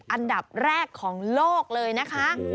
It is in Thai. อันดับแรกของโลกเลยนะคะ